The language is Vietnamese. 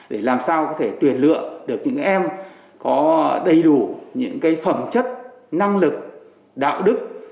để làm sao có thể tuyển lựa được những em có đầy đủ những cái phẩm chất năng lực